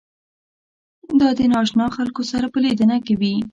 دا د نااشنا خلکو سره په لیدنه کې وي.